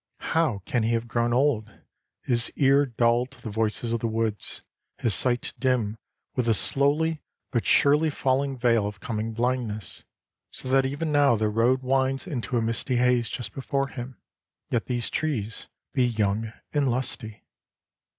How can he have grown old, his ear dull to the voices of the woods, his sight dim with the slowly but surely falling veil of coming blindness, so that even now the road winds into a misty haze just before him, yet these trees be young and lusty?